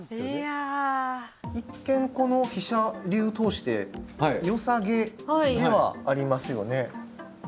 一見この飛車龍を通してよさげではありますよね。